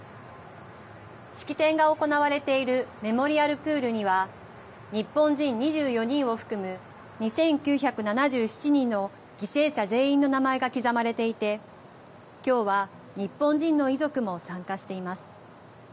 式典が行われているメモリアル・プールには日本人２４人を含む２９７７人の犠牲者全員の名前が刻まれていてきょうは日本人の遺族も参加しています。